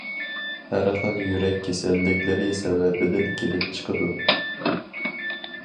ھەر خىل يۈرەك كېسەللىكلىرى سەۋەبىدىن كېلىپ چىقىدۇ.